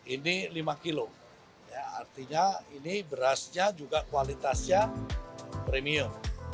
ini lima kilo artinya ini berasnya juga kualitasnya premium